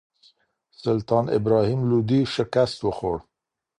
سلطان ابراهیم لودي شکست وخوړ